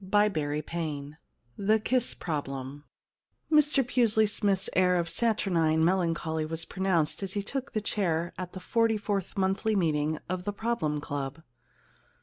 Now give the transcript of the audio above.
II THE KISS PROBLEM Mr Pusely Smythe's air of saturnine melan choly was pronounced as he took the chair at the forty fourth monthly meeting of the Problem Club.